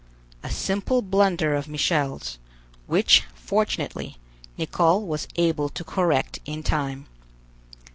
A simple blunder of Michel's, which, fortunately, Nicholl was able to correct in time.